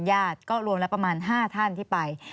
ญาติก็รวมแล้วประมาณ๕ท่านที่ไป